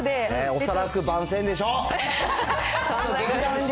おそらく番宣でしょう。